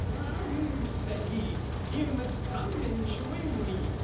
"'Come,' said he, 'you must come and join me.